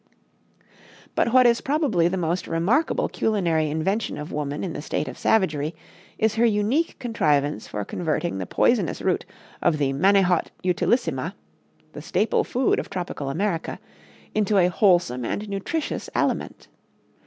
But what is probably the most remarkable culinary invention of woman in the state of savagery is her unique contrivance for converting the poisonous root of the manihot utilissima the staple food of tropical America into a wholesome and nutritious aliment.